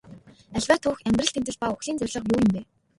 Аливаа түүх амьдрал тэмцэл ба үхлийн зорилго юу юм бэ?